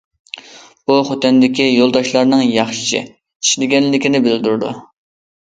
بۇ، خوتەندىكى يولداشلارنىڭ ياخشى ئىشلىگەنلىكىنى بىلدۈرىدۇ.